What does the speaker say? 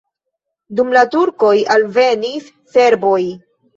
Dum la turkoj alvenis serboj.